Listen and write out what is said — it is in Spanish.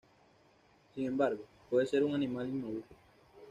Sin embargo, puede ser un animal inmaduro.